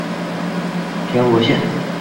平罗线